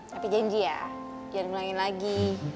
tapi janji ya jangan bilangin lagi